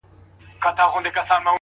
صادق چلند اوږد درناوی ګټي،